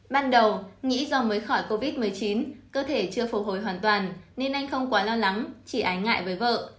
ban đầu nghĩ do mới khỏi covid một mươi chín cơ thể chưa phục hồi hoàn toàn nên anh không quá lo lắng chỉ ái ngại với vợ